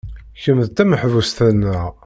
Kemm d tameḥbust-nneɣ.